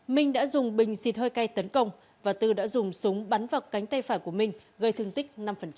minh đã dùng bình xịt hơi cay tấn công và tư đã dùng súng bắn vào cánh tay phải của minh gây thương tích năm